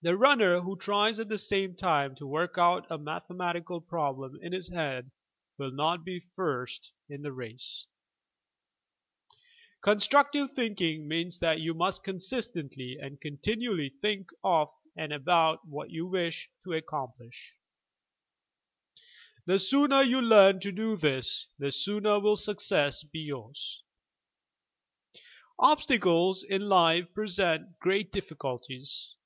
The runner who tries at the same time to work out a mathematical problem in his head will not be first in the race! Constructive thinking means that you must consistently and continually think of and about what you wish to accomplish. The sooner you learn to do this the sooner will success be yours. Obstacles in life present great difficulties.